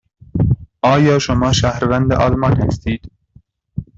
آیا شما شهروند آلمان هستید؟